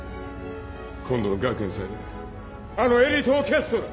今度の学園祭であのエリートオーケストラ。